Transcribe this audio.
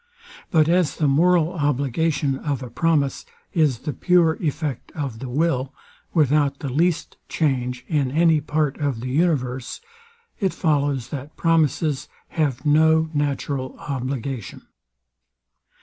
But as the moral obligation of a promise is the pure effect of the will, without the least change in any part of the universe; it follows, that promises have no natural obligation.